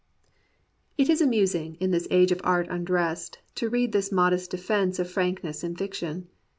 It is amusing, in this age of art undressed, to read this modest defense of frankness in fiction.